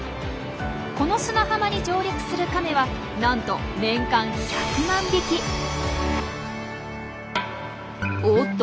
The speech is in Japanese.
この砂浜に上陸するカメはなんと年間おっと。